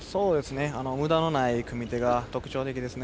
無駄のない組手が特徴的です。